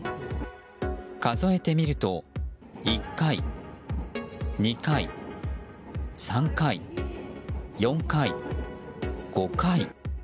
数えてみると、１回、２回、３回４回、５回。